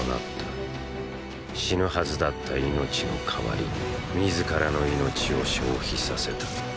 死ぬはずだった命の代わりに自らの命を消費させた。